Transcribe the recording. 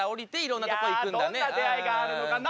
いやどんな出会いがあるのかな。